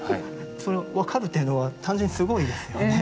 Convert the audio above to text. それを分かるっていうのは単純にすごいですよね。